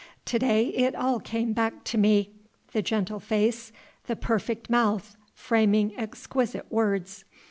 To day it all came back to me, the gentle face, the perfect mouth framing exquisite words.